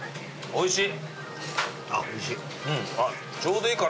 おいしい。